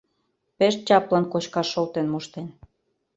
Пеш чаплын кочкаш шолтен моштен.